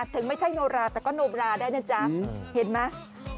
ถึงไม่ใช่โนราแต่ก็โนบราได้นะจ๊ะเห็นไหม